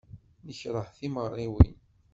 Nekṛeh timeɣriwin.